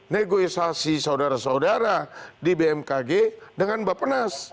negosiasi saudara saudara di bmkg dengan mbak penas